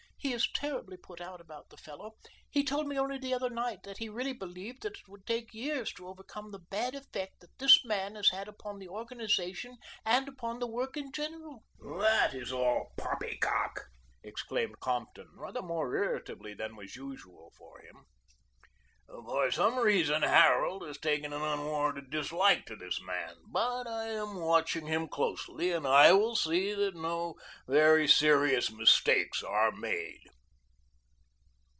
"He is terribly put out about the fellow. He told me only the other night that he really believed that it would take years to overcome the bad effect that this man has had upon the organization and upon the work in general." "That is all poppycock," exclaimed Compton, rather more irritably than was usual with him. "For some reason Harold has taken an unwarranted dislike to this man, but I am watching him closely, and I will see that no very serious mistakes are made."